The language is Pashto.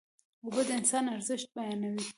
اوبه د انسان ارزښت بیانوي.